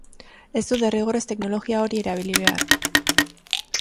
Ez du derrigorrez teknologia hori erabili behar.